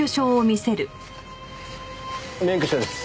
免許証です。